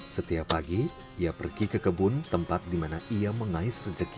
setiap pagi ia pergi ke kebun tempat di mana ia mengais rejeki